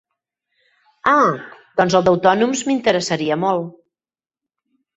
Ah doncs el d'autònoms m'interessaria molt.